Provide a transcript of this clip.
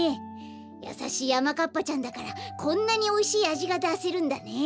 やさしいあまかっぱちゃんだからこんなにおいしいあじがだせるんだね。